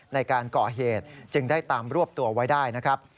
ในการก่อเหตุจึงได้ตามรวบตัวไว้ได้นะครับ